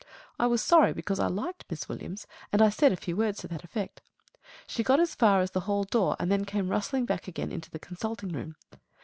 I was sorry, because I liked Miss Williams, and I said a few words to that effect. She got as far as the hall door, and then came rustling back again into the consulting room.